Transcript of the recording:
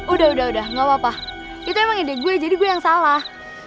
udah udah gapapa itu emang ide gua jadi gua yang salah